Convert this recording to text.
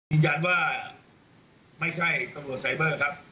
ยืนยันว่าไม่ใช่ตำรวจไซเบอร์ครับ